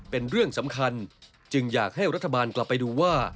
เป็นเรื่องสำคัญจึงอยากให้รัฐบาลกลับไปดูว่า